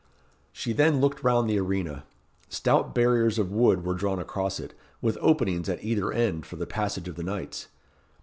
She then looked round the arena. Stout barriers of wood were drawn across it, with openings at either end for the passage of the knights.